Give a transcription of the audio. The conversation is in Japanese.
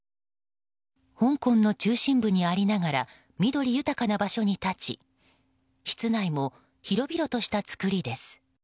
香港の中心部にありながら緑豊かな場所に立ち室内も広々としたつくりです。